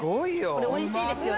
これおいしいですよね・